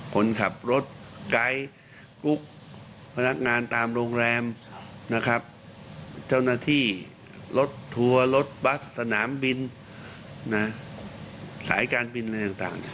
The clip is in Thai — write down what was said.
คนขับรถไกลกุ๊กพนักงานตามโรงแรมเจ้านาฬิที่รถทัวร์รถบัสสนามบินสายการบิน